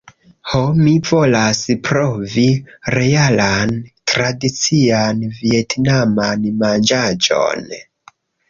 "Ho, mi volas provi realan tradician vjetnaman manĝaĵon